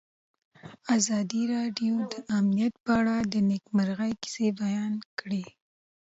ازادي راډیو د امنیت په اړه د نېکمرغۍ کیسې بیان کړې.